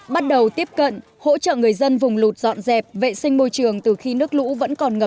bắt đầu tiếp cận hỗ trợ người dân vùng lụt dọn dẹp vệ sinh môi trường từ khi nước lũ vẫn còn ngập